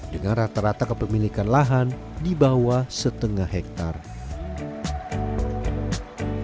dengan rata rata kepemilikan lahan di bawah setengah hektare